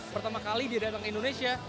pertama kali di adan indonesia